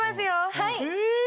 はい。